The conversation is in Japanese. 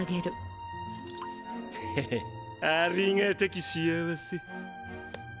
っへへありがたき幸せ。